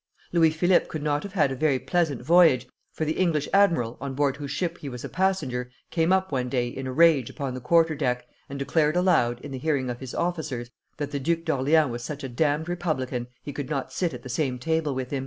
Louis Philippe could not have had a very pleasant voyage, for the English admiral, on board whose ship he was a passenger, came up one day in a rage upon the quarter deck, and declared aloud, in the hearing of his officers, that the Duke of Orleans was such a d d republican he could not sit at the same table with him.